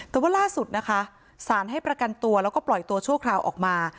แต่ว่าล่าสุดนะคะสารให้ประกันตัวแล้วก็ปล่อยตัวชั่วคราวออกมา